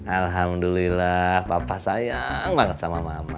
alhamdulillah papa sayang banget sama mama